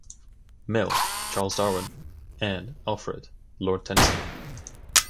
Mill, Charles Darwin and Alfred, Lord Tennyson.